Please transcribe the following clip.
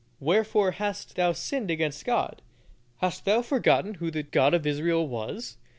Wherefore hast thou sinned against God? Hast thou forgotten who the God of Israel was?